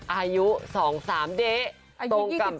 อายุ๒๓เดะ